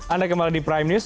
anda kembali di prime news